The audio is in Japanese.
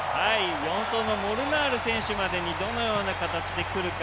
４走のモルナール選手までにどのような形で来るか。